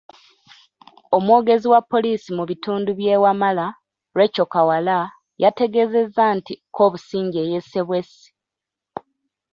Omwogezi wa poliisi mu bitundu by’e Wamala Recheal Kawala, yategeezezza nti Kobusingye yesse bwessi.